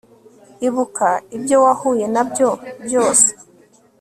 ibuka ibyo wahuye nabyo byose